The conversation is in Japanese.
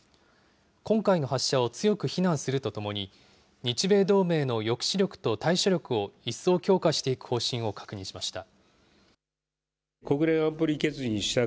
今回の発射を強く非難するとともに、日米同盟の抑止力と対処力を一層強化していく方針を確認しました。